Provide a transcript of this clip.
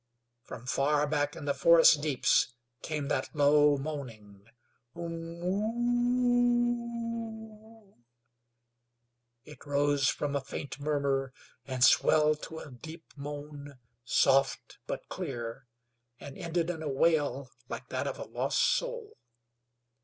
From far back in the forest deeps came that same low moaning: "Um m mm woo o o o!" It rose from a faint murmur and swelled to a deep moan, soft but clear, and ended in a wail like that of a lost soul.